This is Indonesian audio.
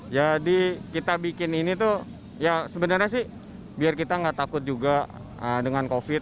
jadi kita bikin ini sebenarnya biar kita tidak takut juga dengan covid sembilan belas